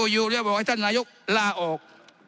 อยู่แล้วบอกให้ท่านนายกล่าออก